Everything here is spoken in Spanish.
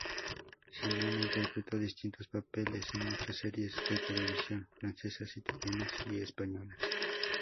Simona interpretó distintos papeles en muchas series de televisión francesas, italianas y españolas.